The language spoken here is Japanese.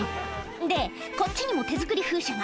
で、こっちにも手作り風車が。